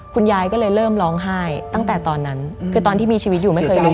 คุณยายก็เลยเริ่มร้องไห้ตั้งแต่ตอนนั้นคือตอนที่มีชีวิตอยู่ไม่เคยรู้